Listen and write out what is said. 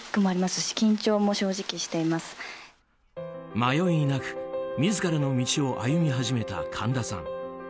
迷いなく自らの道を歩み始めた神田さん。